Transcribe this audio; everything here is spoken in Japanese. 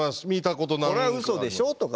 「これはうそでしょ」とか。